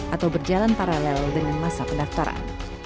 atau berjalan paralel dengan masa pendaftaran